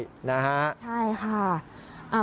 ใช่ค่ะ